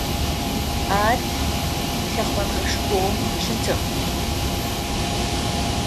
Ар хэхъоныгъэшхоу щытыгъ.